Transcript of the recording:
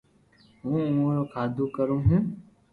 ھون اورو ڪآدو ڪرو ھون